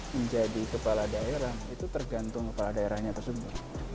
menjadi kepala daerah itu tergantung kepala daerahnya tersebut